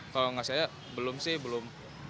kalau nggak saya belum sih belum